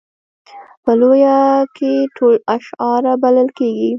په لویه کې ټول اشاعره بلل کېږي.